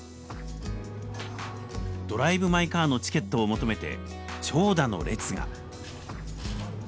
「ドライブ・マイ・カー」のチケットを求めて長蛇の列が。